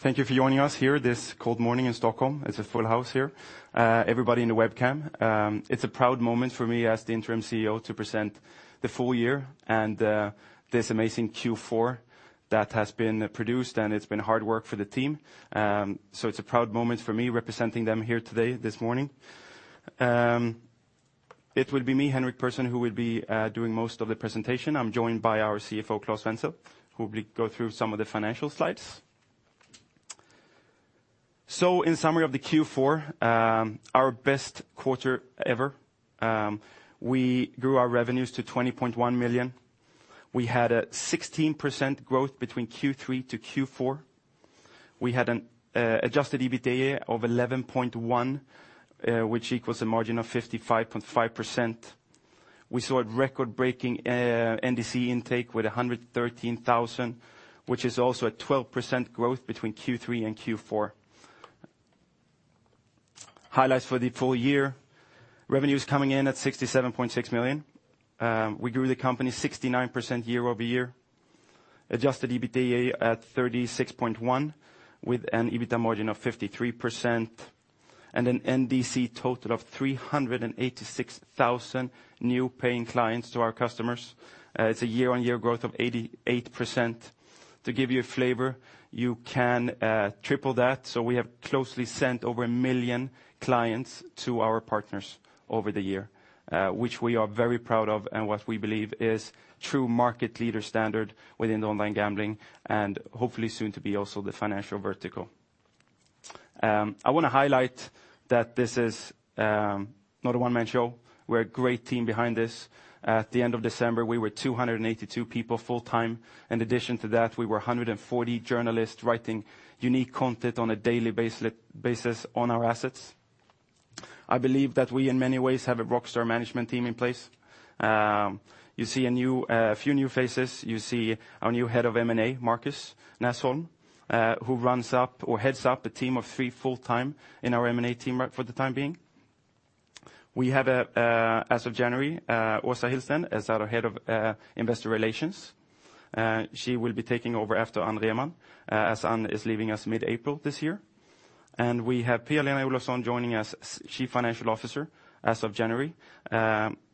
Thank you for joining us here this cold morning in Stockholm. It's a full house here, everybody in the webcam. It's a proud moment for me as the Interim CEO to present the full year and this amazing Q4 that has been produced, and it's been hard work for the team. It's a proud moment for me representing them here today, this morning. It will be me, Henrik Persson, who will be doing most of the presentation. I'm joined by our CFO, Klas Svensson, who will go through some of the financial slides. In summary of the Q4, our best quarter ever. We grew our revenues to 20.1 million. We had a 16% growth between Q3 to Q4. We had an adjusted EBITDA of 11.1 million, which equals a margin of 55.5%. We saw a record-breaking NDC intake with 113,000, which is also a 12% growth between Q3 and Q4. Highlights for the full year, revenues coming in at 67.6 million. We grew the company 69% year-over-year. Adjusted EBITDA at 36.1 million with an EBITDA margin of 53% and an NDC total of 386,000 new paying clients to our customers. It's a year-over-year growth of 88%. To give you a flavor, you can triple that. We have closely sent over 1 million clients to our partners over the year, which we are very proud of and what we believe is true market leader standard within the online gambling and hopefully soon to be also the financial vertical. I want to highlight that this is not a one-man show. We're a great team behind this. At the end of December, we were 282 people full-time. In addition to that, we were 140 journalists writing unique content on a daily basis on our assets. I believe that we, in many ways, have a rockstar management team in place. You see a few new faces. You see our new Head of M&A, Marcus Nässholm, who heads up a team of three full-time in our M&A team for the time being. We have, as of January, Åsa Hillsten as our Head of Investor Relations. She will be taking over after Anne Rhenman, as Anne is leaving us mid-April this year. We have Pia-Lena Olofsson joining as Chief Financial Officer as of January,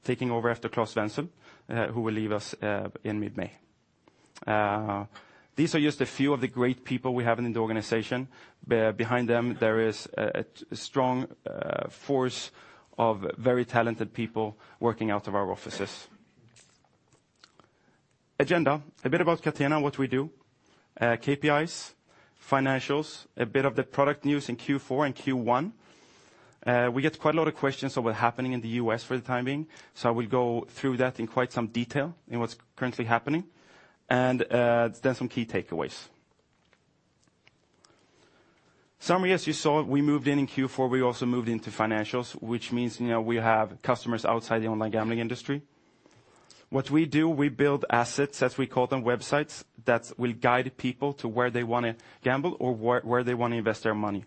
taking over after Klas Svensson, who will leave us in mid-May. These are just a few of the great people we have in the organization. Behind them, there is a strong force of very talented people working out of our offices. Agenda, a bit about Catena, what we do, KPIs, financials, a bit of the product news in Q4 and Q1. We get quite a lot of questions on what's happening in the U.S. for the time being, I will go through that in quite some detail in what's currently happening. Then some key takeaways. Summary, as you saw, we moved in in Q4. We also moved into financials, which means we have customers outside the online gambling industry. What we do, we build assets, as we call them, websites that will guide people to where they want to gamble or where they want to invest their money.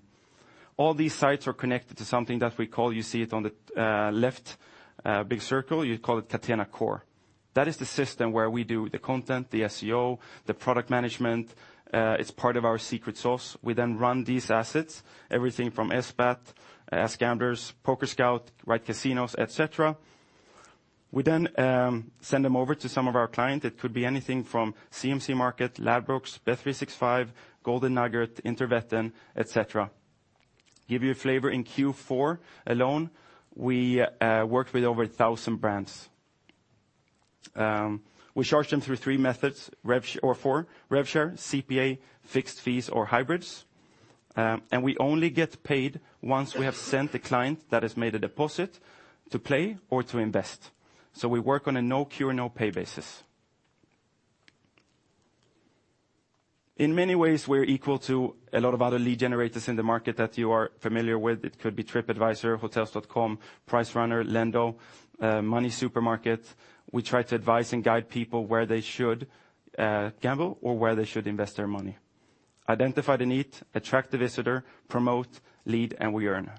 All these sites are connected to something that we call, you see it on the left big circle, you call it Catena Core. That is the system where we do the content, the SEO, the product management. It's part of our secret sauce. We then run these assets, everything from SBAT, AskGamblers, PokerScout, RightCasino, et cetera. We then send them over to some of our clients. It could be anything from CMC Markets, Ladbrokes, bet365, Golden Nugget, Interwetten, et cetera. Give you a flavor, in Q4 alone, we worked with over 1,000 brands. We charge them through four methods, rev share, CPA, fixed fees or hybrids. We only get paid once we have sent the client that has made a deposit to play or to invest. We work on a no cure, no pay basis. In many ways, we're equal to a lot of other lead generators in the market that you are familiar with. It could be TripAdvisor, Hotels.com, PriceRunner, Lendo, MoneySuperMarket. We try to advise and guide people where they should gamble or where they should invest their money. Identify the need, attract the visitor, promote, lead, and we earn.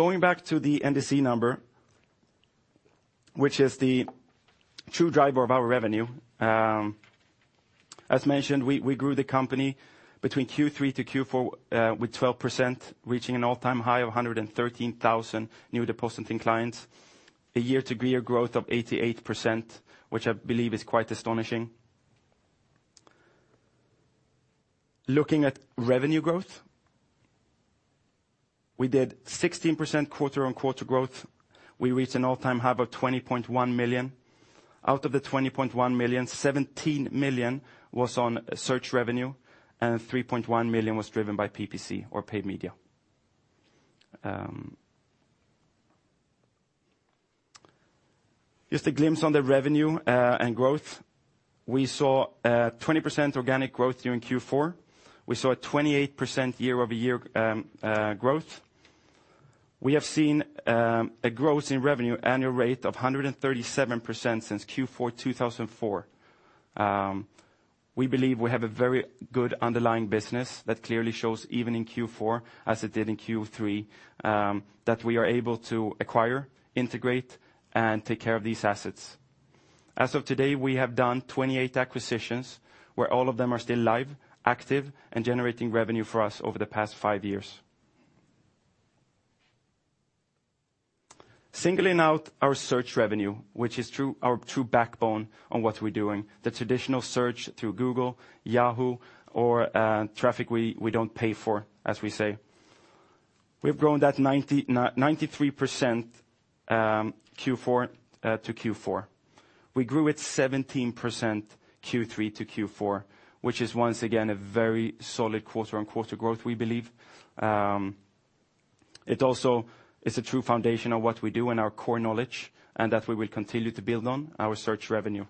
Going back to the NDC number, which is the true driver of our revenue. As mentioned, we grew the company between Q3 to Q4 with 12%, reaching an all-time high of 113,000 new depositing clients. A year-over-year growth of 88%, which I believe is quite astonishing. Looking at revenue growth, we did 16% quarter-over-quarter growth. We reached an all-time high of 20.1 million. Out of the 20.1 million, 17 million was on search revenue, and 3.1 million was driven by PPC or paid media. Just a glimpse on the revenue and growth. We saw a 20% organic growth during Q4. We saw a 28% year-over-year growth. We have seen a growth in revenue annual rate of 137% since Q4 2014. We believe we have a very good underlying business that clearly shows even in Q4 as it did in Q3, that we are able to acquire, integrate, and take care of these assets. As of today, we have done 28 acquisitions, where all of them are still live, active and generating revenue for us over the past five years. Singling out our search revenue, which is our true backbone on what we're doing, the traditional search through Google, Yahoo, or traffic we don't pay for, as we say. We've grown that 93% Q4 to Q4. We grew it 17% Q3 to Q4, which is once again a very solid quarter-over-quarter growth, we believe. It also is a true foundation of what we do and our core knowledge, and that we will continue to build on our search revenue.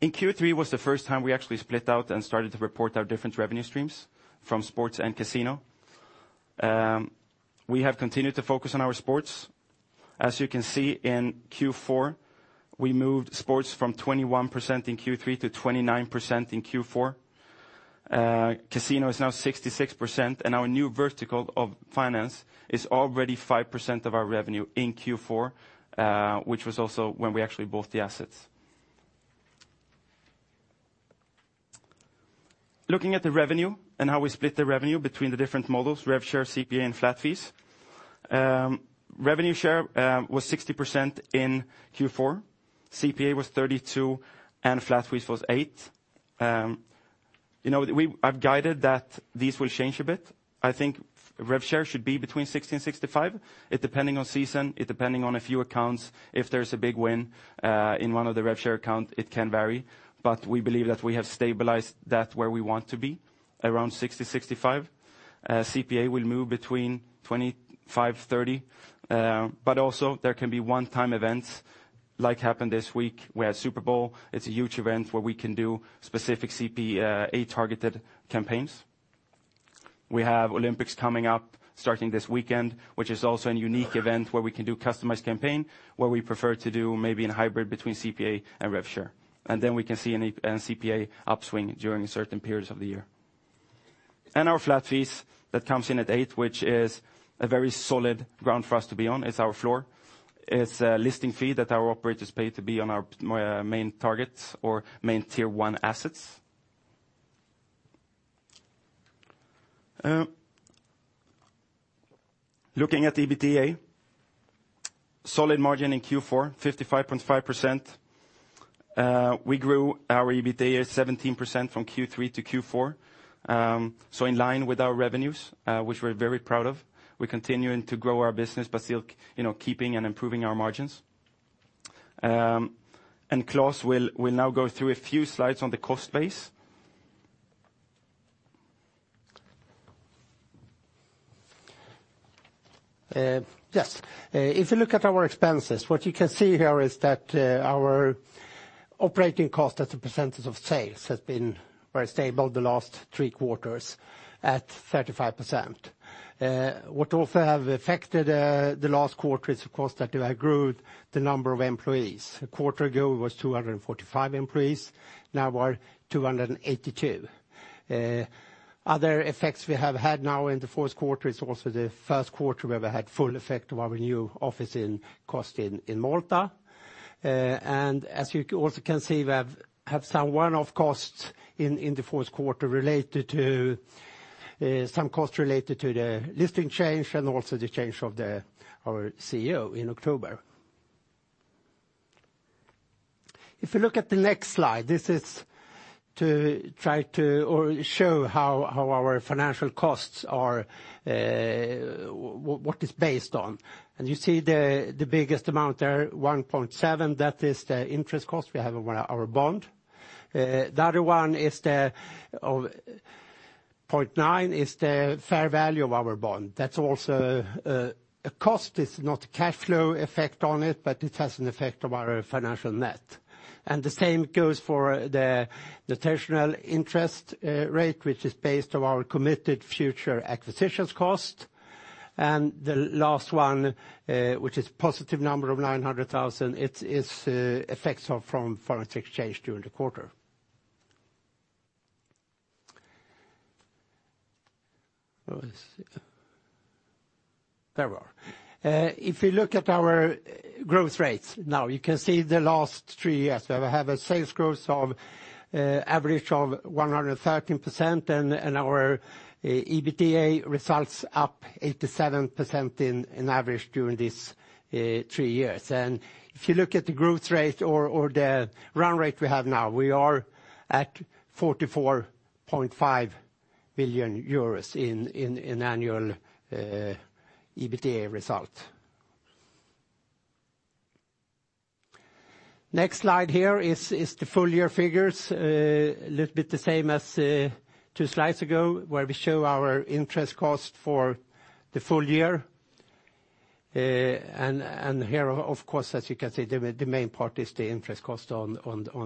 In Q3 was the first time we actually split out and started to report our different revenue streams from sports and casino. We have continued to focus on our sports. As you can see in Q4, we moved sports from 21% in Q3 to 29% in Q4. Casino is now 66%, and our new vertical of finance is already 5% of our revenue in Q4, which was also when we actually bought the assets. Looking at the revenue and how we split the revenue between the different models, rev share, CPA, and flat fees. Revenue share was 60% in Q4, CPA was 32%, and flat fees was 8%. I've guided that these will change a bit. I think rev share should be between 60% and 65%. It depending on season, it depending on a few accounts. If there's a big win, in one of the rev share account, it can vary. But we believe that we have stabilized that where we want to be, around 60-65%. CPA will move between 25-30%. But also there can be one-time events like happened this week. We had Super Bowl. It's a huge event where we can do specific CPA-targeted campaigns. We have Olympics coming up starting this weekend, which is also a unique event where we can do customized campaign, where we prefer to do maybe in hybrid between CPA and rev share. Then we can see a CPA upswing during certain periods of the year. Our flat fees that comes in at eight, which is a very solid ground for us to be on, is our floor, is a listing fee that our operators pay to be on our main targets or main tier 1 assets. Looking at EBITDA. Solid margin in Q4, 55.5%. We grew our EBITDA 17% from Q3 to Q4. In line with our revenues, which we're very proud of. We're continuing to grow our business but still keeping and improving our margins. Klas will now go through a few slides on the cost base. Yes. If you look at our expenses, what you can see here is that our operating cost as a percentage of sales has been very stable the last three quarters at 35%. What also have affected the last quarter is, of course, that we have grown the number of employees. A quarter ago, it was 245 employees. Now we're 282. Other effects we have had now in the fourth quarter is also the first quarter we've ever had full effect of our new office cost in Malta. As you also can see, we have had some one-off costs in the fourth quarter, some costs related to the listing change and also the change of our CEO in October. If you look at the next slide, this is to try to show how our financial costs are what is based on. You see the biggest amount there, 1.7 million, that is the interest cost we have on our bond. The other one is 0.9 million is the fair value of our bond. That's also a cost. It's not a cash flow effect on it, but it has an effect on our financial net. The same goes for the notional interest rate, which is based on our committed future acquisitions cost. The last one, which is positive number of 900,000, it is effects from foreign exchange during the quarter. There we are. If you look at our growth rates now, you can see the last three years, we have a sales growth of average of 113%, and our EBITDA results up 87% in average during these three years. If you look at the growth rate or the run rate we have now, we are at 44.5 million euros in annual EBITDA result. Next slide here is the full-year figures. A little bit the same as two slides ago, where we show our interest cost for the full year. Here, of course, as you can see, the main part is the interest cost on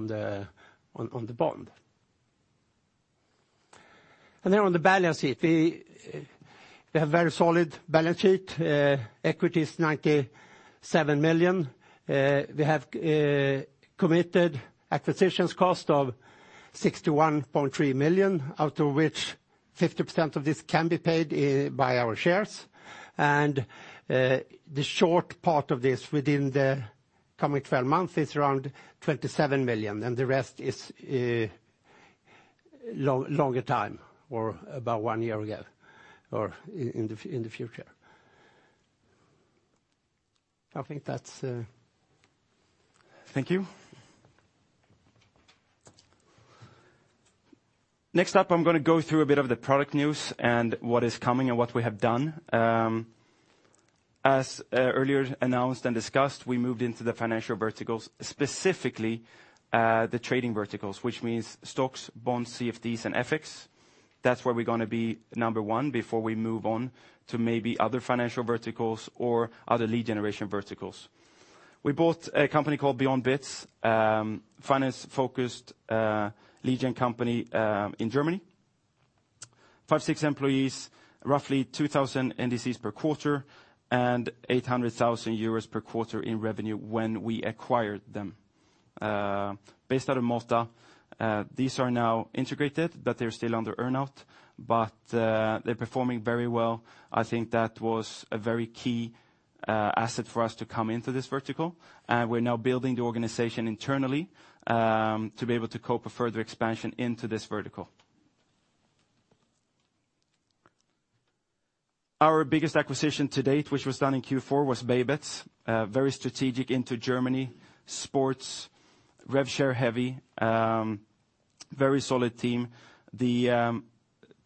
the bond. Then on the balance sheet, we have very solid balance sheet. Equity is 97 million. We have committed acquisition costs of 61.3 million, out of which 50% of this can be paid by our shares. The short part of this within the coming 12 months is around 27 million, and the rest is longer time, or about one year ago, or in the future. I think that's Thank you. Next up, I'm going to go through a bit of the product news and what is coming and what we have done. As earlier announced and discussed, we moved into the financial verticals, specifically the trading verticals, which means stocks, bonds, CFDs, and FX. That's where we're going to be number one before we move on to maybe other financial verticals or other lead gen verticals. We bought a company called (Beyondbits), finance-focused lead gen company in Germany. Five, six employees, roughly 2,000 NDCs per quarter, and 800,000 euros per quarter in revenue when we acquired them. Based out of Malta. These are now integrated, but they're still under earn-out, but they're performing very well. I think that was a very key asset for us to come into this vertical. We're now building the organization internally to be able to cope with further expansion into this vertical. Our biggest acquisition to date, which was done in Q4, was BayBets, very strategic into Germany, sports, rev share heavy, very solid team. The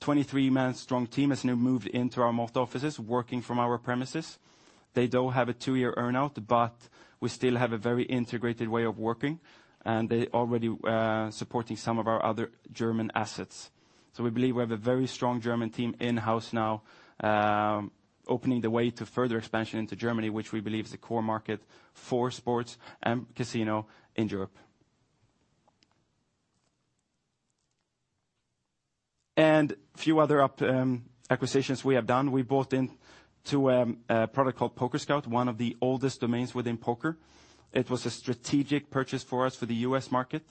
23-man strong team has now moved into our Malta offices, working from our premises. They don't have a two-year earn-out, but we still have a very integrated way of working, and they're already supporting some of our other German assets. We believe we have a very strong German team in-house now, opening the way to further expansion into Germany, which we believe is a core market for sports and casino in Europe. Few other acquisitions we have done. We bought into a product called PokerScout, one of the oldest domains within poker. It was a strategic purchase for us for the U.S. market.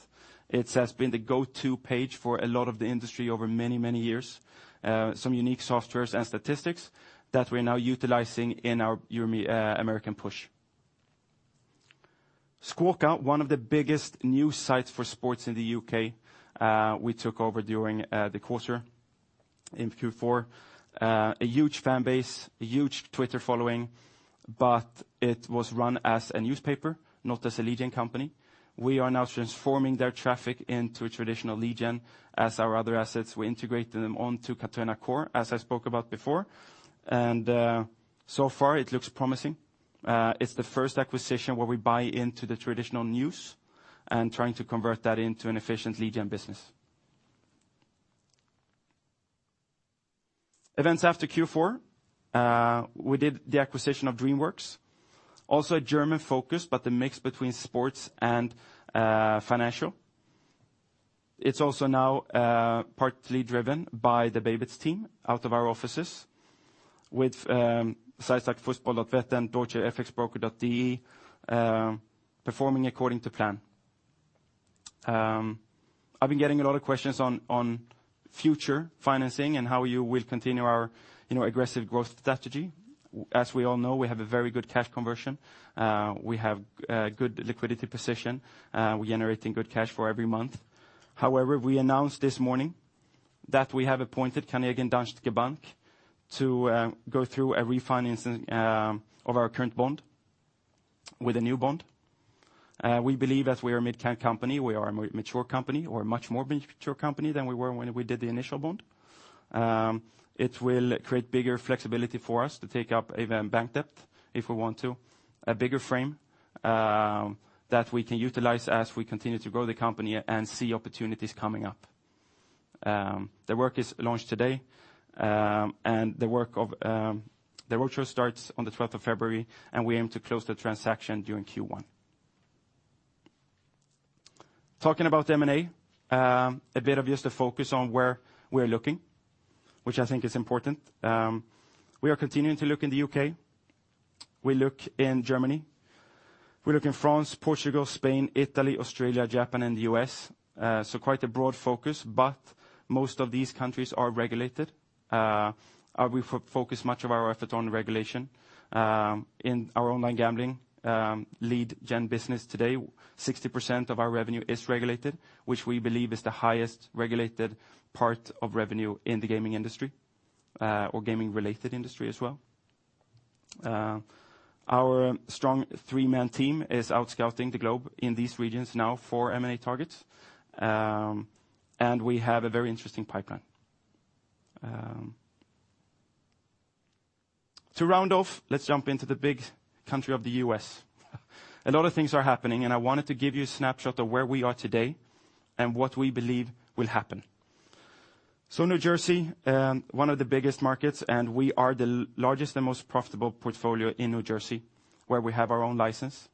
It has been the go-to page for a lot of the industry over many, many years. Some unique software and statistics that we're now utilizing in our American push. Squawka, one of the biggest news sites for sports in the U.K., we took over during the quarter in Q4. A huge fan base, a huge Twitter following, but it was run as a newspaper, not as a lead gen company. We are now transforming their traffic into a traditional lead gen. As our other assets, we integrated them onto Catena Core, as I spoke about before. So far it looks promising. It's the first acquisition where we buy into the traditional news and trying to convert that into an efficient lead gen business. Events after Q4, we did the acquisition of Dreamworx, also a German focus, but a mix between sports and financial. It's also now partly driven by the BayBets team out of our offices with Fussballwetten.de, deutschefxbroker.de performing according to plan. I've been getting a lot of questions on future financing and how you will continue our aggressive growth strategy. As we all know, we have a very good cash conversion. We have good liquidity position. We're generating good cash flow every month. However, we announced this morning that we have appointed Carnegie Investment Bank to go through a refinancing of our current bond with a new bond. We believe as we are a mid-cap company, we are a mature company or a much more mature company than we were when we did the initial bond. It will create bigger flexibility for us to take up even bank debt if we want to, a bigger frame that we can utilize as we continue to grow the company and see opportunities coming up. The work is launched today, the roadshow starts on the 12th of February, and we aim to close the transaction during Q1. Talking about M&A, a bit of just a focus on where we're looking, which I think is important. We are continuing to look in the U.K. We look in Germany. We look in France, Portugal, Spain, Italy, Australia, Japan, and the U.S., so quite a broad focus, but most of these countries are regulated. We focus much of our effort on regulation. In our online gambling lead gen business today, 60% of our revenue is regulated, which we believe is the highest regulated part of revenue in the gaming industry, or gaming-related industry as well. Our strong three-man team is out scouting the globe in these regions now for M&A targets, and we have a very interesting pipeline. To round off, let's jump into the big country of the U.S. A lot of things are happening, I wanted to give you a snapshot of where we are today and what we believe will happen. New Jersey, one of the biggest markets, and we are the largest and most profitable portfolio in New Jersey, where we have our own license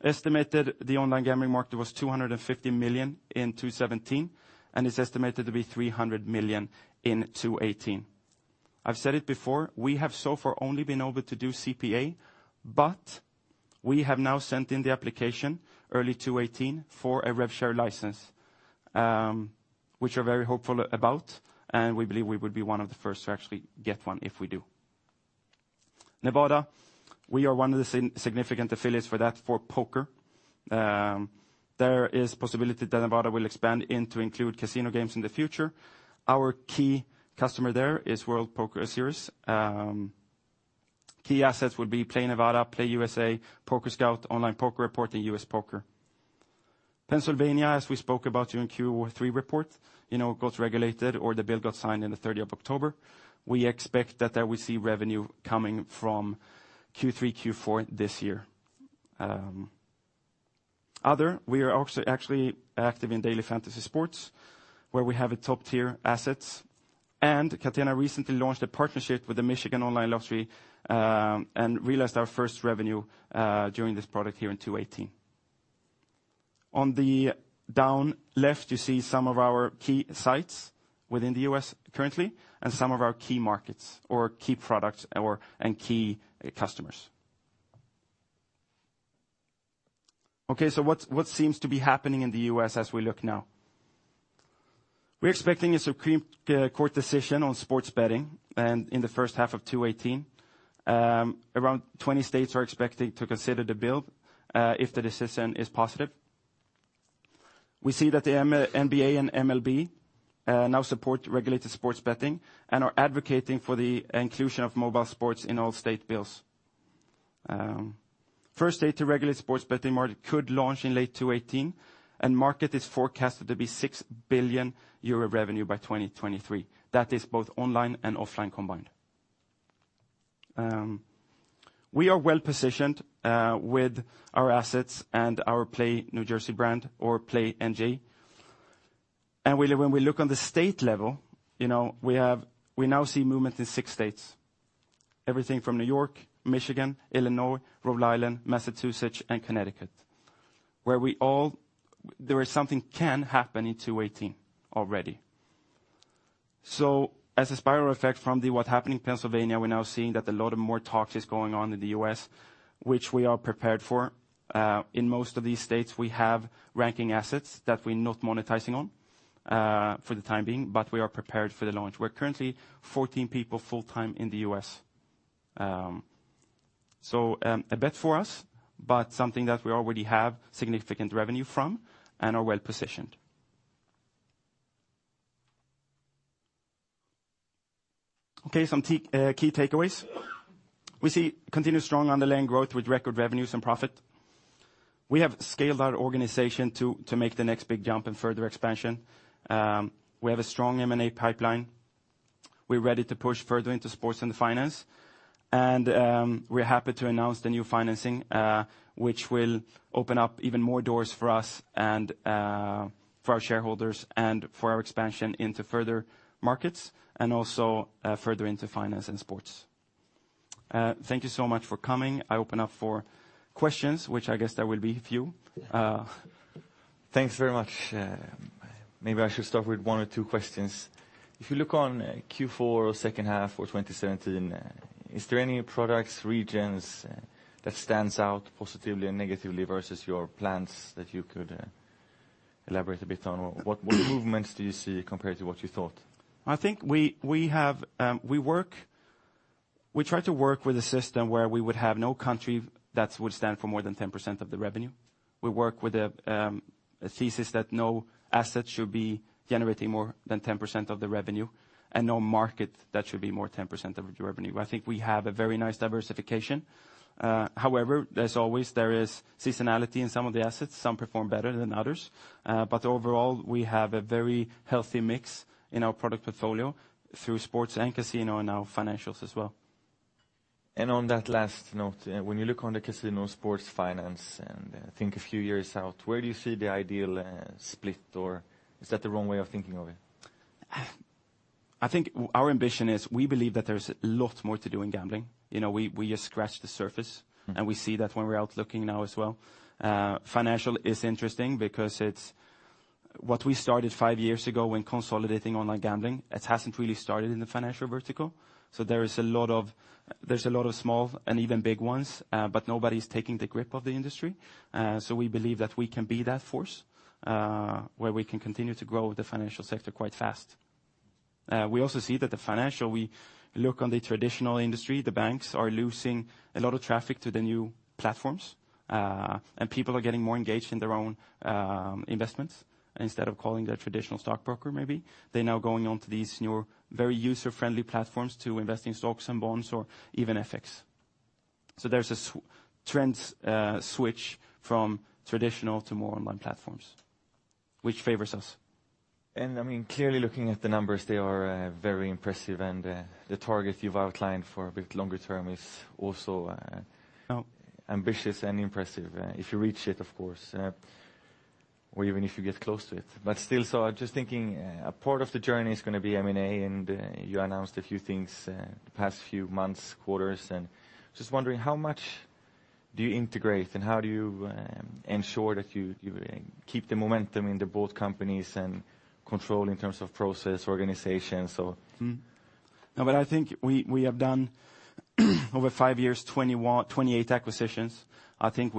Estimated the online gambling market was $250 million in 2017, and it's estimated to be $300 million in 2018. I've said it before, we have so far only been able to do CPA, but we have now sent in the application early 2018 for a rev share license, which we're very hopeful about, and we believe we would be one of the first to actually get one if we do. Nevada, we are one of the significant affiliates for that for poker. There is possibility that Nevada will expand in to include casino games in the future. Our key customer there is World Series of Poker. Key assets will be PlayNevada, PlayUSA, PokerScout, Online Poker Report, and USPoker. Pennsylvania, as we spoke about during Q3 report, it got regulated or the bill got signed in the 30th of October. We expect that we see revenue coming from Q3, Q4 this year. Other, we are also actually active in daily fantasy sports, where we have a top-tier assets. Catena recently launched a partnership with the Michigan Lottery, and realized our first revenue during this product here in 2018. On the down left, you see some of our key sites within the U.S. currently, and some of our key markets or key products and key customers. What seems to be happening in the U.S. as we look now? We're expecting a Supreme Court decision on sports betting in the first half of 2018. Around 20 states are expecting to consider the bill, if the decision is positive. We see that the NBA and MLB now support regulated sports betting and are advocating for the inclusion of mobile sports in all state bills. First state to regulate sports betting market could launch in late 2018, and market is forecasted to be 6 billion euro revenue by 2023. That is both online and offline combined. We are well-positioned with our assets and our PlayNJ brand or PlayNJ. When we look on the state level, we now see movement in six states. Everything from New York, Michigan, Illinois, Rhode Island, Massachusetts, and Connecticut, where there is something can happen in 2018 already. As a spiral effect from what happened in Pennsylvania, we're now seeing that a lot of more talks is going on in the U.S., which we are prepared for. In most of these states, we have ranking assets that we're not monetizing on, for the time being, but we are prepared for the launch. We're currently 14 people full-time in the U.S. A bet for us, but something that we already have significant revenue from and are well-positioned. Okay. Some key takeaways. We see continued strong underlying growth with record revenues and profit. We have scaled our organization to make the next big jump in further expansion. We have a strong M&A pipeline. We're ready to push further into sports and finance. We're happy to announce the new financing, which will open up even more doors for us and for our shareholders and for our expansion into further markets and also further into finance and sports. Thank you so much for coming. I open up for questions, which I guess there will be a few. Thanks very much. Maybe I should start with one or two questions. If you look on Q4 or second half or 2017, is there any products, regions that stands out positively and negatively versus your plans that you could elaborate a bit on? What movements do you see compared to what you thought? I think we try to work with a system where we would have no country that would stand for more than 10% of the revenue. We work with a thesis that no asset should be generating more than 10% of the revenue and no market that should be more 10% of the revenue. I think we have a very nice diversification. However, there's always seasonality in some of the assets. Some perform better than others. Overall, we have a very healthy mix in our product portfolio through sports and casino and our financials as well. On that last note, when you look on the casino, sports, finance, and think a few years out, where do you see the ideal split, or is that the wrong way of thinking of it? I think our ambition is we believe that there's a lot more to do in gambling. We just scratched the surface, and we see that when we're out looking now as well. Financial is interesting because what we started 5 years ago when consolidating online gambling, it hasn't really started in the financial vertical. There's a lot of small and even big ones, but nobody's taking the grip of the industry. We believe that we can be that force, where we can continue to grow the financial sector quite fast. We also see that the financial, we look on the traditional industry, the banks are losing a lot of traffic to the new platforms. People are getting more engaged in their own investments instead of calling their traditional stockbroker, maybe. They're now going on to these new, very user-friendly platforms to invest in stocks and bonds or even FX. There's a trend switch from traditional to more online platforms, which favors us. Clearly looking at the numbers, they are very impressive, and the target you've outlined for a bit longer term is also ambitious and impressive if you reach it, of course. Or even if you get close to it. Still, I'm just thinking, a part of the journey is going to be M&A, and you announced a few things the past few months, quarters, and just wondering how much do you integrate and how do you ensure that you keep the momentum into both companies and control in terms of process, organization? I think we have done, over five years, 28 acquisitions. I think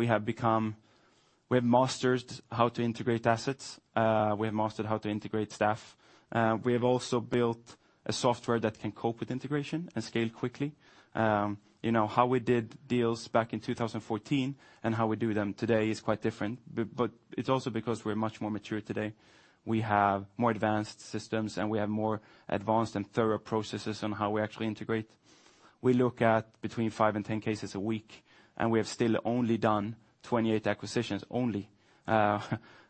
we have mastered how to integrate assets. We have mastered how to integrate staff. We have also built a software that can cope with integration and scale quickly. How we did deals back in 2014 and how we do them today is quite different. It's also because we're much more mature today. We have more advanced systems, and we have more advanced and thorough processes on how we actually integrate. We look at between five and 10 cases a week, and we have still only done 28 acquisitions, only,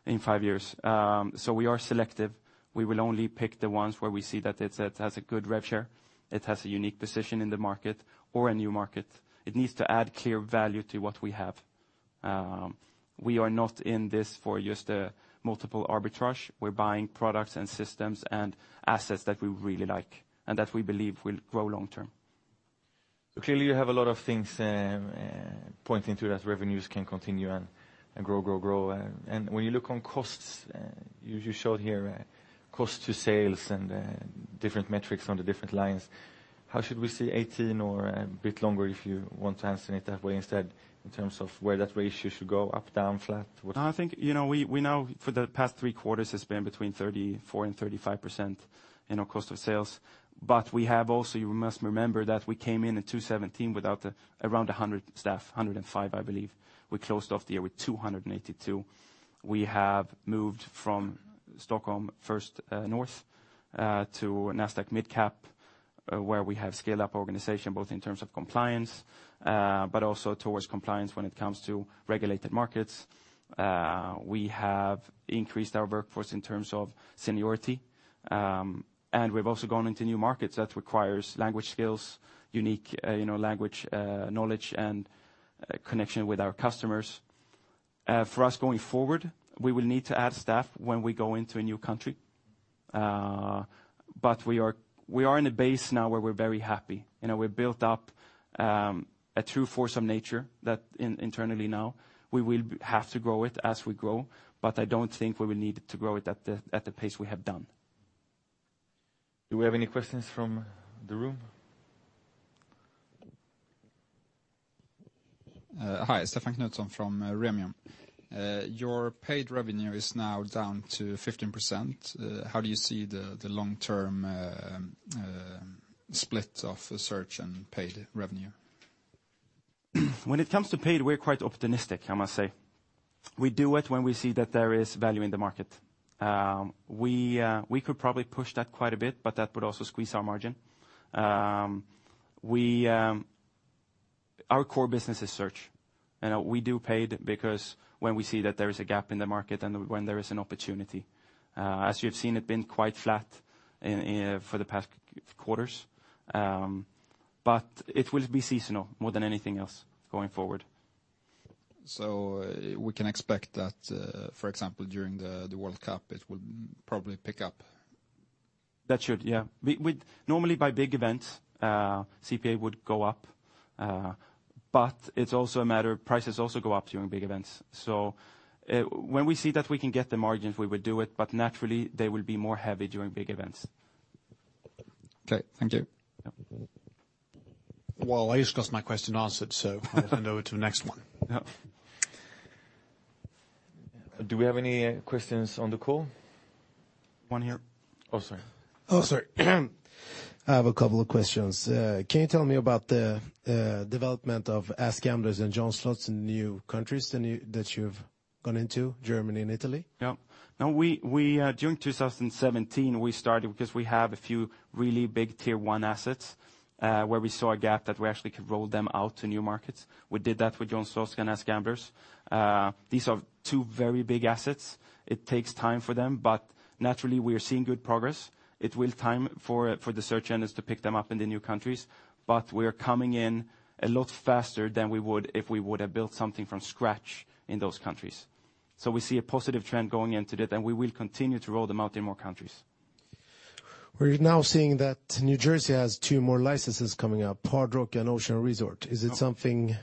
in five years. We are selective. We will only pick the ones where we see that it has a good rev share, it has a unique position in the market or a new market. It needs to add clear value to what we have. We are not in this for just a multiple arbitrage. We're buying products and systems and assets that we really like and that we believe will grow long term. Clearly, you have a lot of things pointing to that revenues can continue and grow. When you look on costs, you showed here cost to sales and different metrics on the different lines. How should we see 2018 or a bit longer, if you want to answer it that way instead, in terms of where that ratio should go? Up, down, flat? No, I think, we know for the past three quarters, it's been between 34% and 35% in our cost of sales. We have also, you must remember that we came in in 2017 with around 100 staff, 105, I believe. We closed off the year with 282. We have moved from Nasdaq First North to Nasdaq Mid Cap, where we have scale-up organization, both in terms of compliance, but also towards compliance when it comes to regulated markets. We have increased our workforce in terms of seniority. We've also gone into new markets. That requires language skills, unique language knowledge, and connection with our customers. For us going forward, we will need to add staff when we go into a new country. We are in a base now where we're very happy. We've built up a true force of nature internally now. We will have to grow it as we grow, I don't think we will need to grow it at the pace we have done. Do we have any questions from the room? Hi, Stefan Knutsson from Remium. Your paid revenue is now down to 15%. How do you see the long-term split of search and paid revenue? When it comes to paid, we're quite optimistic, I must say. We do it when we see that there is value in the market. We could probably push that quite a bit, but that would also squeeze our margin. Our core business is search, we do paid because when we see that there is a gap in the market and when there is an opportunity. As you have seen, it's been quite flat for the past quarters. It will be seasonal more than anything else going forward. We can expect that, for example, during the World Cup, it will probably pick up. That should, yeah. Normally by big events, CPA would go up, it's also a matter of prices also go up during big events. When we see that we can get the margins, we would do it, naturally they will be more heavy during big events. Okay. Thank you. Yep. Well, I just got my question answered, so I'll hand over to the next one. Yeah. Do we have any questions on the call? One here. Oh, sorry. Oh, sorry. I have a couple of questions. Can you tell me about the development of AskGamblers and JohnSlots in new countries that you've gone into, Germany and Italy? Yeah. During 2017, we started because we have a few really big tier 1 assets, where we saw a gap that we actually could roll them out to new markets. We did that with JohnSlots and AskGamblers. These are two very big assets. It takes time for them, but naturally we are seeing good progress. It will take time for the search engines to pick them up in the new countries. We are coming in a lot faster than we would if we would have built something from scratch in those countries. We see a positive trend going into that, and we will continue to roll them out in more countries. We're now seeing that New Jersey has two more licenses coming up, Hard Rock and Ocean Resort. Is it something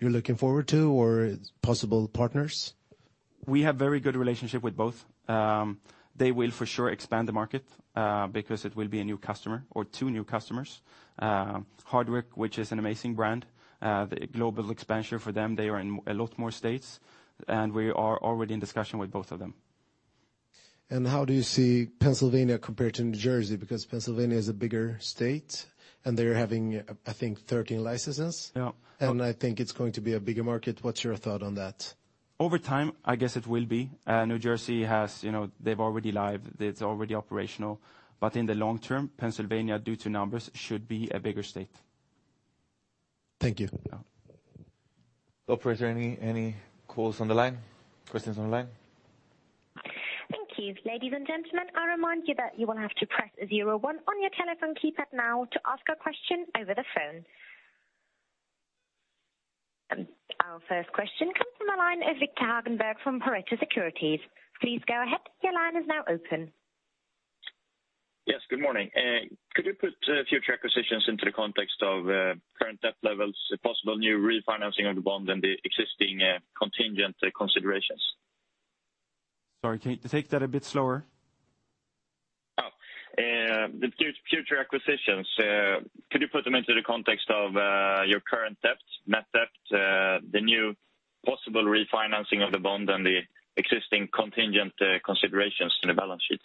you're looking forward to or possible partners? We have very good relationship with both. They will for sure expand the market, because it will be a new customer or two new customers. Hard Rock, which is an amazing brand, the global expansion for them, they are in a lot more states. We are already in discussion with both of them. How do you see Pennsylvania compared to New Jersey? Because Pennsylvania is a bigger state, and they're having, I think, 13 licenses. Yeah. I think it's going to be a bigger market. What's your thought on that? Over time, I guess it will be. New Jersey, they've already lived. It's already operational. In the long term, Pennsylvania, due to numbers, should be a bigger state. Thank you. Yeah. Operator, any calls on the line? Questions on the line? Thank you. Ladies and gentlemen, I remind you that you will have to press 01 on your telephone keypad now to ask a question over the phone. Our first question comes from the line of Victor Hagenberg from Pareto Securities. Please go ahead. Your line is now open. Yes, good morning. Could you put future acquisitions into the context of current debt levels, possible new refinancing of the bond and the existing contingent considerations? Sorry, can you take that a bit slower? Oh, the future acquisitions, could you put them into the context of your current debt, net debt, the new possible refinancing of the bond and the existing contingent considerations in the balance sheet?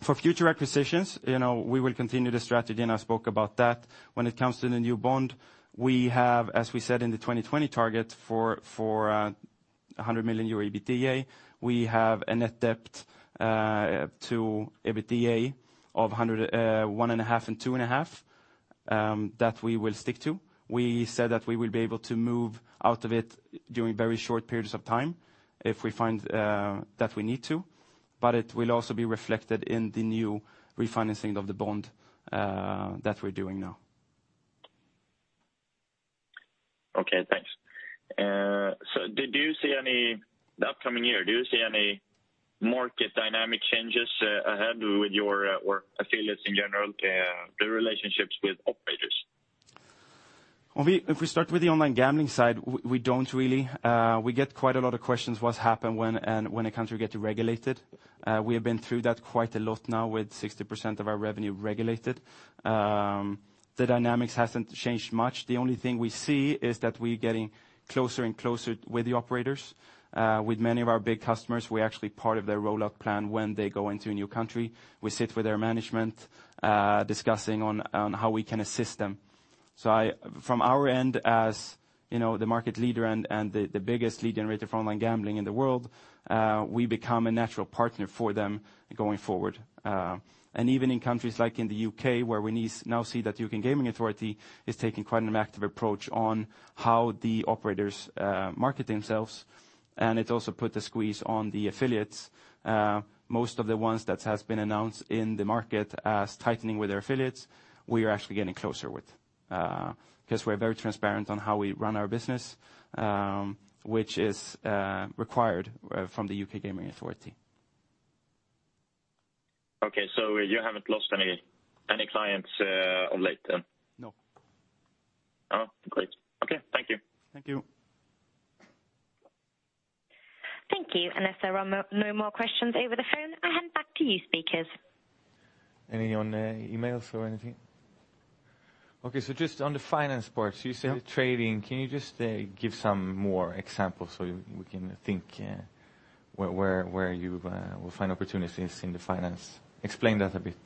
For future acquisitions, we will continue the strategy. I spoke about that. When it comes to the new bond, we have, as we said in the 2020 target for 100 million euro EBITDA, we have a net debt to EBITDA of 1.5-2.5, that we will stick to. We said that we will be able to move out of it during very short periods of time if we find that we need to, it will also be reflected in the new refinancing of the bond that we're doing now. Okay, thanks. Did you see the upcoming year, do you see any market dynamic changes ahead with your affiliates in general, the relationships with operators? If we start with the online gambling side, we don't really. We get quite a lot of questions what's happened when a country get deregulated. We have been through that quite a lot now with 60% of our revenue regulated. The dynamics hasn't changed much. The only thing we see is that we're getting closer and closer with the operators. With many of our big customers, we're actually part of their rollout plan when they go into a new country. We sit with their management, discussing on how we can assist them. From our end as the market leader and the biggest lead generator for online gambling in the world, we become a natural partner for them going forward. Even in countries like in the U.K., where we now see that U.K. Gambling Commission is taking quite an active approach on how the operators market themselves, and it also put a squeeze on the affiliates. Most of the ones that has been announced in the market as tightening with their affiliates, we are actually getting closer with, because we're very transparent on how we run our business, which is required from the U.K. Gambling Commission. Okay, you haven't lost any clients of late then? No. Great. Okay. Thank you. Thank you. Thank you. Unless there are no more questions over the phone, I hand back to you, speakers. Any on emails or anything? Just on the finance part, you said trading. Can you just give some more examples, so we can think where you will find opportunities in the finance? Explain that a bit.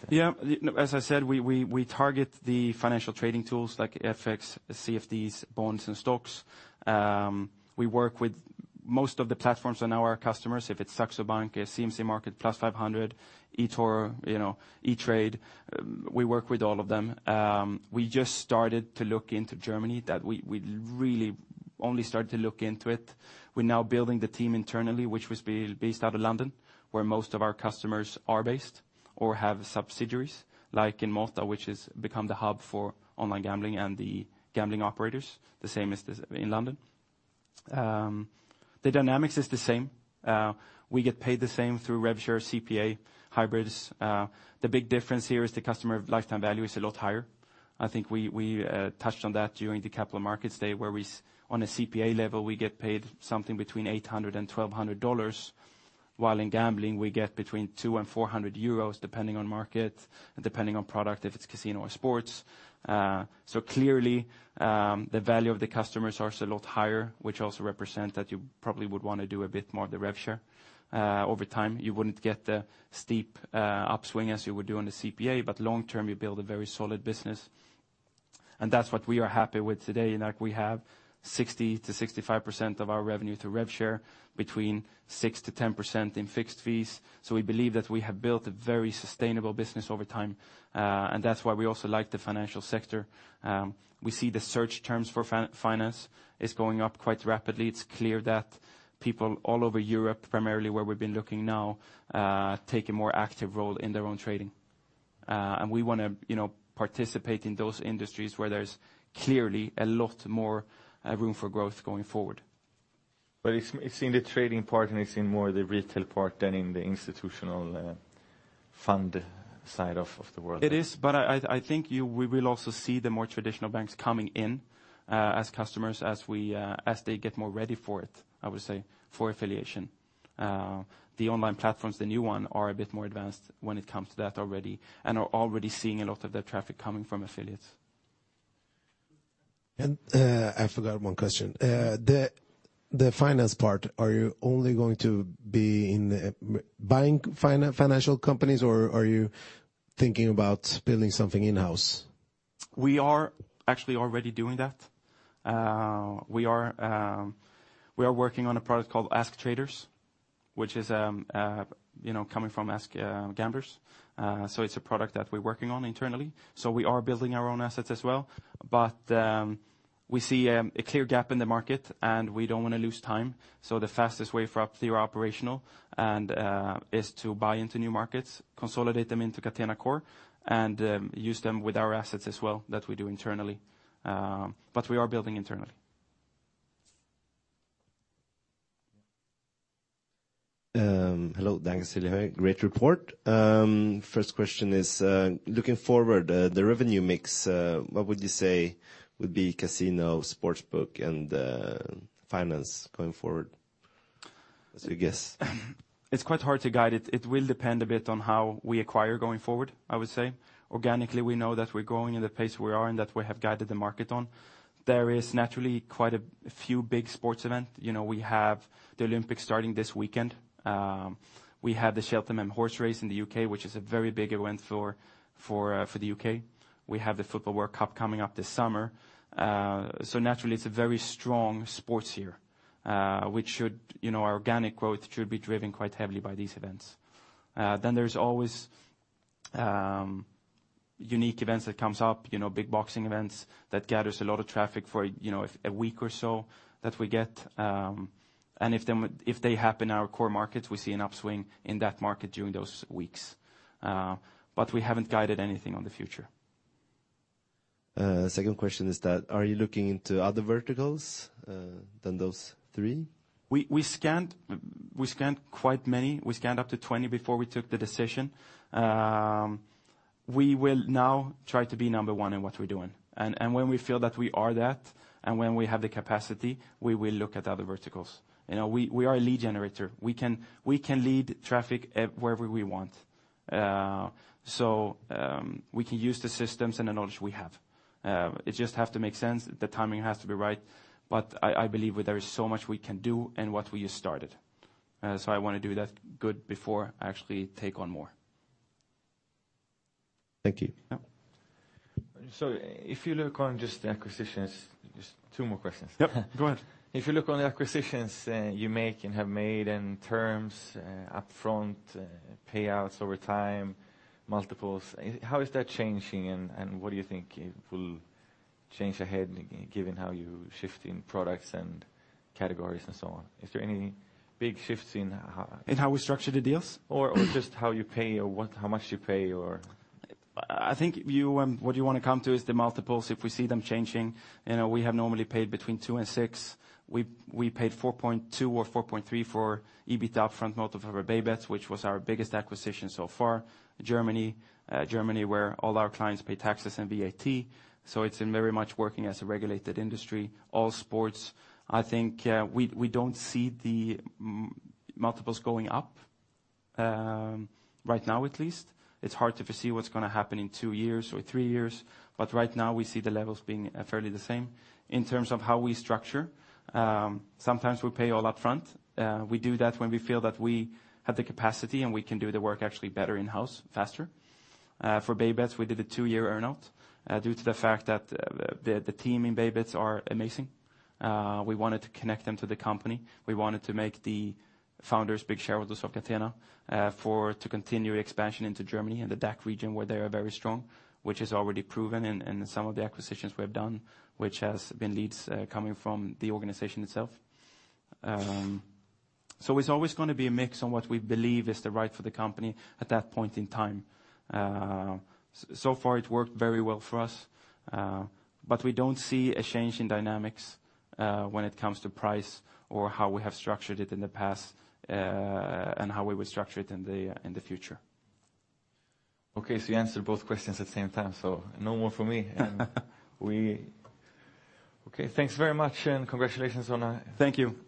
As I said, we target the financial trading tools like FX, CFDs, bonds and stocks. We work with most of the platforms and now our customers, if it's Saxo Bank, CMC Markets, Plus500, eToro, E*TRADE, we work with all of them. We just started to look into Germany. That we really only started to look into it. We're now building the team internally, which was based out of London, where most of our customers are based or have subsidiaries, like in Malta, which has become the hub for online gambling and the gambling operators, the same as in London. The dynamics is the same. We get paid the same through rev share, CPA, hybrids. The big difference here is the customer lifetime value is a lot higher. I think we touched on that during the capital markets day, where on a CPA level, we get paid something between $800-$1,200. While in gambling, we get between 200-400 euros, depending on market, depending on product, if it's casino or sports. Clearly, the value of the customers are a lot higher, which also represent that you probably would want to do a bit more of the rev share. Over time, you wouldn't get the steep upswing as you would do on the CPA, but long term, you build a very solid business. That's what we are happy with today, in that we have 60%-65% of our revenue through rev share, between 6%-10% in fixed fees. We believe that we have built a very sustainable business over time, and that's why we also like the financial sector. We see the search terms for finance is going up quite rapidly. It's clear that people all over Europe, primarily where we've been looking now, take a more active role in their own trading. We want to participate in those industries where there's clearly a lot more room for growth going forward. It's in the trading part and it's in more the retail part than in the institutional fund side of the world. It is, but I think we will also see the more traditional banks coming in as customers, as they get more ready for it, I would say, for affiliation. The online platforms, the new one, are a bit more advanced when it comes to that already and are already seeing a lot of their traffic coming from affiliates. I forgot one question. The finance part, are you only going to be in buying financial companies or are you thinking about building something in-house? We are actually already doing that. We are working on a product called AskTraders, which is coming from AskGamblers. It's a product that we're working on internally. We are building our own assets as well, but we see a clear gap in the market, and we don't want to lose time. The fastest way for us to be operational is to buy into new markets, consolidate them into Catena Core, and use them with our assets as well, that we do internally. We are building internally. Hello. Dan Siljighoij. Great report. First question is, looking forward, the revenue mix, what would you say would be casino, sportsbook, and finance going forward, as a guess? It's quite hard to guide it. It will depend a bit on how we acquire going forward, I would say. Organically, we know that we're growing at the pace we are and that we have guided the market on. There is naturally quite a few big sports event. We have the Olympics starting this weekend. We have the Cheltenham horse race in the U.K., which is a very big event for the U.K. We have the football World Cup coming up this summer. Naturally, it's a very strong sports year. Our organic growth should be driven quite heavily by these events. Then there's always unique events that comes up, big boxing events, that gathers a lot of traffic for a week or so that we get. If they happen in our core markets, we see an upswing in that market during those weeks. We haven't guided anything on the future. Second question is that, are you looking into other verticals than those three? We scanned quite many. We scanned up to 20 before we took the decision. We will now try to be number one in what we're doing. When we feel that we are that, and when we have the capacity, we will look at other verticals. We are a lead generator. We can lead traffic wherever we want. We can use the systems and the knowledge we have. It just has to make sense. The timing has to be right. I believe there is so much we can do in what we just started. I want to do that good before I actually take on more. Thank you. Yeah. If you look on just the acquisitions, just two more questions. Yep, go ahead. If you look on the acquisitions you make and have made and terms, upfront payouts over time, multiples, how is that changing, and what do you think it will change ahead, given how you're shifting products and categories and so on? Is there any big shifts in how- In how we structure the deals? Or just how you pay, or how much you pay, or I think what you want to come to is the multiples, if we see them changing. We have normally paid between two and six. We paid 4.2 or 4.3 for EBIT upfront, most of our BayBets, which was our biggest acquisition so far. Germany, where all our clients pay taxes and VAT, so it's very much working as a regulated industry. All sports, I think we don't see the multiples going up, right now at least. It's hard to foresee what's going to happen in two years or three years. Right now, we see the levels being fairly the same. In terms of how we structure, sometimes we pay all upfront. We do that when we feel that we have the capacity and we can do the work actually better in-house, faster. For BayBets, we did a two-year earn-out due to the fact that the team in BayBets are amazing. We wanted to connect them to the company. We wanted to make the founders big shareholders of Catena, for to continue expansion into Germany and the DACH region, where they are very strong, which is already proven in some of the acquisitions we have done, which has been leads coming from the organization itself. It's always going to be a mix on what we believe is the right for the company at that point in time. So far it worked very well for us. We don't see a change in dynamics, when it comes to price or how we have structured it in the past, and how we would structure it in the future. Okay, you answered both questions at the same time, no more from me. Okay. Thanks very much, and congratulations on- Thank you